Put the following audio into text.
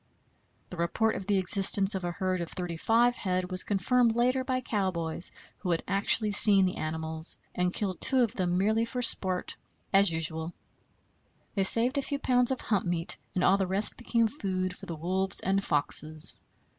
The report of the existence of a herd of thirty five head was confirmed later by cowboys, who had actually seen the animals, and killed two of them merely for sport, as usual. They saved a few pounds of hump meat, and all the rest became food for the wolves and foxes.